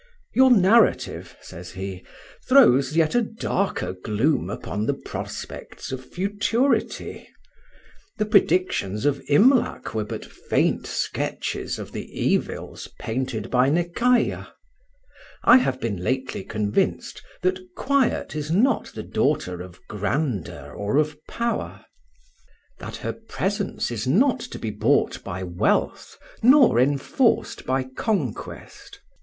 "Your narrative," says he, "throws yet a darker gloom upon the prospects of futurity. The predictions of Imlac were but faint sketches of the evils painted by Nekayah. I have been lately convinced that quiet is not the daughter of grandeur or of power; that her presence is not to be bought by wealth nor enforced by conquest.